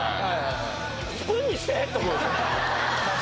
スプーンにして！と思うんすよ。